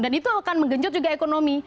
dan itu akan menggenjot juga ekonomi